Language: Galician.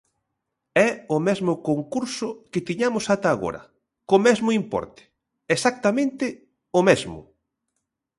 É o mesmo concurso que tiñamos ata agora, co mesmo importe, exactamente o mesmo.